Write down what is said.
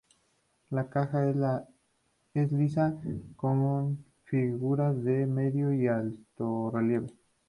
La caja es lisa con figuras de medio y altorrelieve.